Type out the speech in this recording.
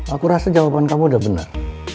aku rasa jawaban kamu udah benar